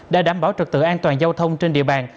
đã đảm bảo trực tựa an toàn giao thông trên địa bàn